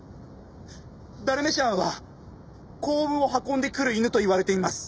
ダルメシアンは幸運を運んでくる犬と言われています。